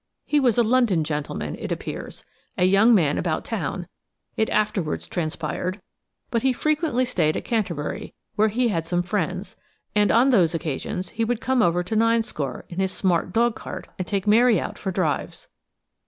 He was a London gentleman, it appears–a young man about town, it afterwards transpired–but he frequently stayed at Canterbury, where he had some friends, and on those occasions he would come over to Ninescore in his smart dogcart and take Mary out for drives.